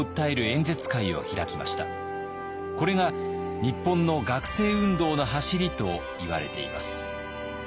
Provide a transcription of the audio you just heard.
これが日本の学生運動のはしりといわれています。